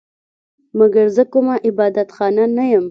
مګر زه کومه عبادت خانه نه یم